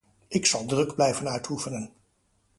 Ik zal druk blijven uitoefenen.